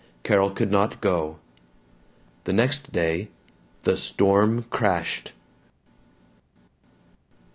Carol could not go. The next day, the storm crashed.